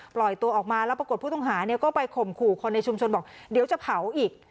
ปล่อยตัวออกมาแล้วปรากฏผู้ต้องหาเนี่ยก็ไปข่มขู่คนในชุมชนบอกเดี๋ยวจะเผาอีก